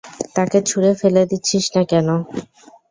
তাকে ছুড়ে ফেলে দিচ্ছিস না কেন?